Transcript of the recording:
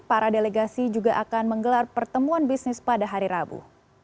para delegasi juga akan menggelar pertemuan bisnis pada hari rabu